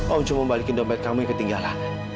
om cuma membalikkan dompet kamu yang ketinggalan